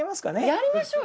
やりましょうよ！